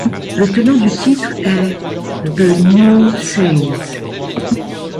Le tenant du titre est The New Saints.